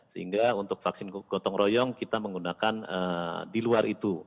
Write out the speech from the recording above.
sehingga untuk vaksin gotong royong kita menggunakan di luar itu